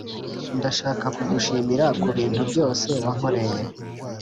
ndashaka kugushimira kubintu byose wankoreye.